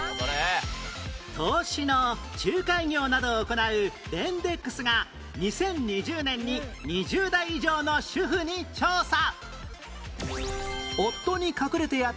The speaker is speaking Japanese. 投資の仲介業などを行う ＬＥＮＤＥＸ が２０２０年に２０代以上の主婦に調査